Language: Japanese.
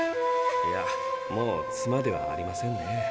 いやもう妻ではありませんね。